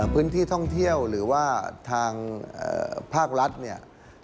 พื้นที่ท่องเที่ยวหรือว่าทางภาครัฐเนี่ย